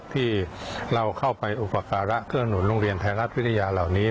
ที่เราเข้าไปอุปการะเครื่องหนุนโรงเรียนไทยรัฐวิทยาเหล่านี้